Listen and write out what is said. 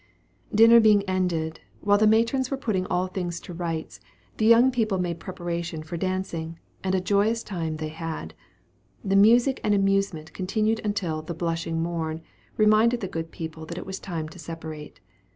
Dinner being ended, while the matrons were putting all things to rights, the young people made preparation for dancing; and a joyous time they had. The music and amusement continued until the "blushing morn" reminded the good people that it was time to separate.